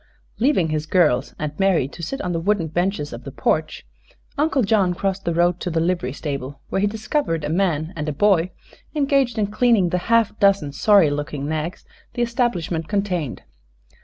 Leaving his girls and Mary to sit on the wooden benches of the porch Uncle John crossed the road to the livery stable, where he discovered a man and a boy engaged in cleaning the half dozen sorry looking nags the establishment contained.